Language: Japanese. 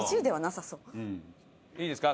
いいですか？